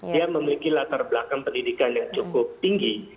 dia memiliki latar belakang pendidikan yang cukup tinggi